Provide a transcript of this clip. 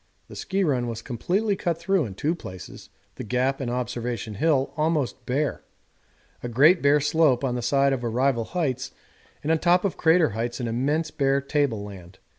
The ski run was completely cut through in two places, the Gap and Observation Hill almost bare, a great bare slope on the side of Arrival Heights, and on top of Crater Heights an immense bare table land.